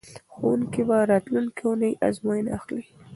ښوونکي به راتلونکې اونۍ ازموینه اخلي.